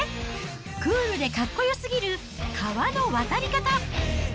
クールでかっこよすぎる川の渡り方。